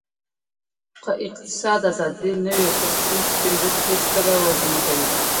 که اقتصادي ازادي نه وي خصوصي سکتور هیڅکله وده نه کوي.